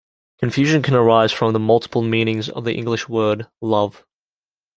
Confusion can arise from the multiple meanings of the English word "love".